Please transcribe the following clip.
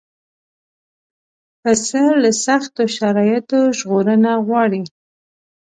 پسه له سختو شرایطو ژغورنه غواړي.